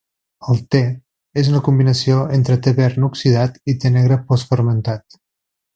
El té és una combinació entre té verd no oxidat i té negre post-fermentat.